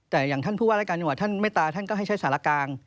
แต่อย่างท่านผู้ว่ารายการจังหวัดท่านไม่ตาท่านก็ให้ใช้สารกลาง